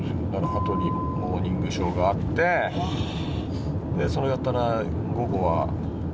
羽鳥の『モーニングショー』があってそれやったら午後はＴＢＳ。